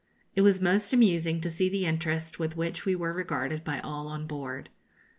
It was most amusing to see the interest with which we were regarded by all on board.